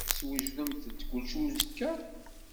Teswejdemt-d kullec i uzekka?